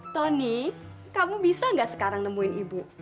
tony kamu bisa nggak sekarang nemuin ibu